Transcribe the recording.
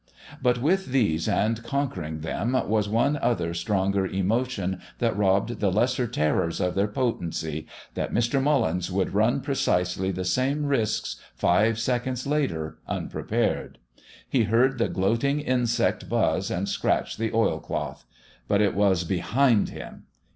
But with these, and conquering them, was one other stronger emotion that robbed the lesser terrors of their potency that Mr. Mullins would run precisely the same risks five seconds later, unprepared. He heard the gloating insect buzz and scratch the oil cloth. But it was behind him.